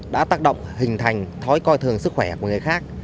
đã tác động hình thành thói coi thường sức khỏe của người khác